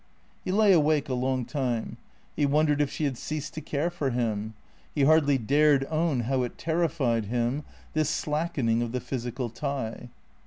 He lay awake a long time. He wondered if she had ceased to care for him. He hardly dared own how it terrified him, this slackening of the physical tie.